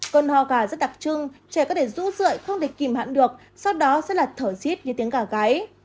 còn ho gà rất đặc trưng trẻ có thể rũ rượi không thể kìm hãn được sau đó sẽ là thở rít như tiếng gà gáy